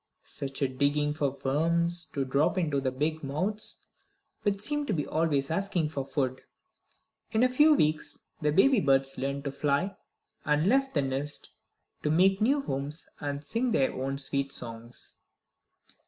Such a digging for worms to drop into the big mouths which seemed to be always asking for food! In a few weeks the baby birds learned to fly, and left the nest to make new homes and sing their own sweet songs.